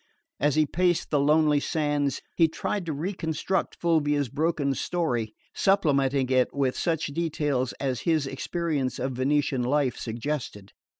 As he paced the lonely sands he tried to reconstruct Fulvia's broken story, supplementing it with such details as his experience of Venetian life suggested.